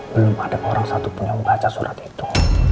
belum ada orang satupun yang membaca surat itu